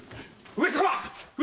上様！